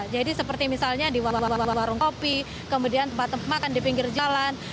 jadi seperti misalnya di warung kopi kemudian tempat makan di pinggir jalan